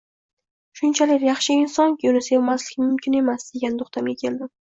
Shunchalar yaxshi insonki, uni sevmaslik mumkin emas, degan to`xtamga keldim